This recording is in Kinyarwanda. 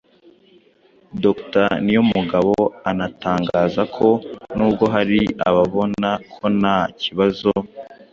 Dr Niyomugabo anatangaza ko n’ubwo hari ababona ko nta kibazo